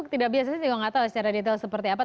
tidak biasanya sih gue gak tau secara detail seperti apa